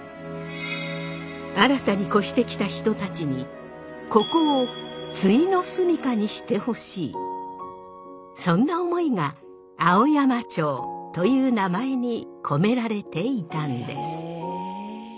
新たに越してきた人たちにここをそんな思いが「青山町」という名前に込められていたんです。